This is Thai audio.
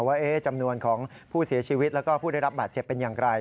ว่าจำนวนของผู้เสียชีวิตแล้วก็ผู้ได้รับบาดเจ็บเป็นอย่างไร